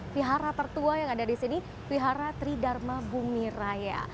prihara tertua yang ada di sini prihara tridharma bubiraya